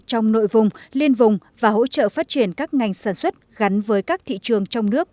trong nội vùng liên vùng và hỗ trợ phát triển các ngành sản xuất gắn với các thị trường trong nước